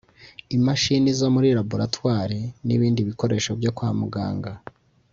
imashini zo muri Laboratwari n’ibindi bikoresho byo kwa muganga